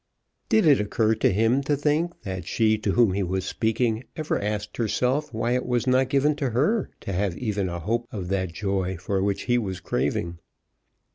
Did it occur to him to think that she to whom he was speaking, ever asked herself why it was not given to her to have even a hope of that joy for which he was craving?